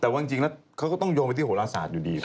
แต่ว่าจริงแล้วเขาก็ต้องโยงไปที่โหลศาสตร์อยู่ดี